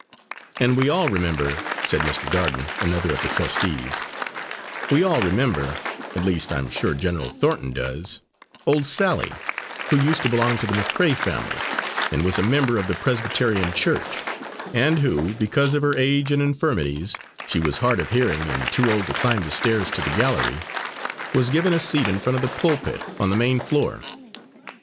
"And we all remember," said Mr. Darden, another of the trustees, "we all remember, at least I'm sure General Thornton does, old Sally, who used to belong to the McRae family, and was a member of the Presbyterian Church, and who, because of her age and infirmities she was hard of hearing and too old to climb the stairs to the gallery was given a seat in front of the pulpit, on the main floor."